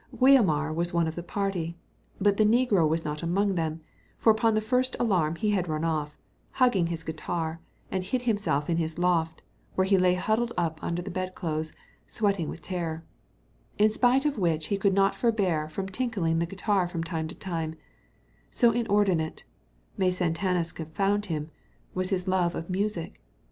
Guiomar was one of the party, but the negro was not among them; for upon the first alarm he had run off, hugging his guitar, and hid himself in his loft, where he lay huddled up under the bed clothes, sweating with terror; in spite of which he could not forbear from tinkling the guitar from time to time, so inordinate—may Satanas confound him!—was his love of music.